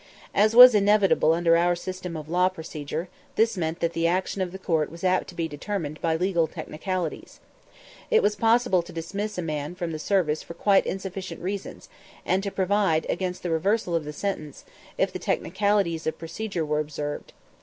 As was inevitable under our system of law procedure, this meant that the action of the court was apt to be determined by legal technicalities. It was possible to dismiss a man from the service for quite insufficient reasons, and to provide against the reversal of the sentence, if the technicalities of procedure were observed.